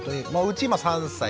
うち今３歳